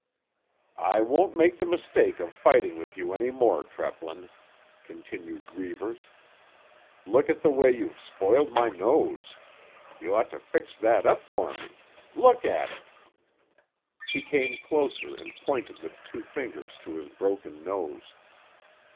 "I won't make the mistake of fighting with you any more, Treplin," continued Reivers. "Look at the way you've spoiled my nose. You ought to fix that up for me. Look at it." He came closer and pointed with two fingers to his broken nose.